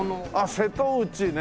瀬戸内ね！